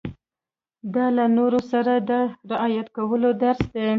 دا له نورو سره د رعايت کولو درس دی.